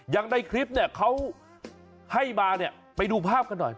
ในคลิปเนี่ยเขาให้มาเนี่ยไปดูภาพกันหน่อย